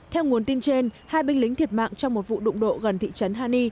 theo nguồn tin trên hai binh lính thiệt mạng trong một vụ đụng độ gần thị trấn hani